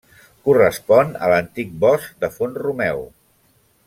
Correspon a l'antic bosc de Font-romeu.